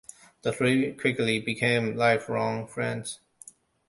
The three quickly became lifelong friends.